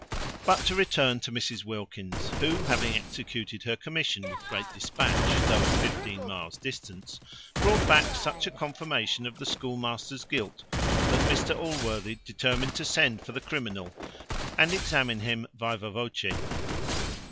But to return to Mrs Wilkins, who, having executed her commission with great dispatch, though at fifteen miles distance, brought back such a confirmation of the schoolmaster's guilt, that Mr Allworthy determined to send for the criminal, and examine him viva voce.